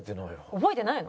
覚えてないの？